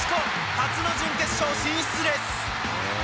初の準決勝進出です！